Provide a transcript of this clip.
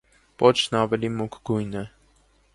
Պոչն ավելի մուգ գույն է։